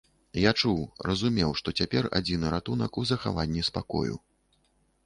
Я чуў, разумеў, што цяпер адзіны ратунак у захаванні спакою.